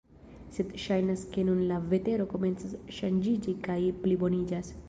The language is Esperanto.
Sed ŝajnas ke nun la vetero komencas ŝanĝiĝi kaj pliboniĝas.